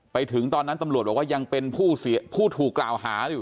ไปถึงตอนนั้นตำรวจบอกว่ายังเป็นผู้ถูกกล่าวหาอยู่